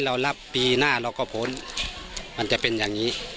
เรารับปีหน้าเราก็พ้นมันจะเป็นอย่างนี้